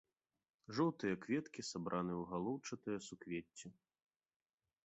Жоўтыя кветкі сабраны ў галоўчатае суквецце.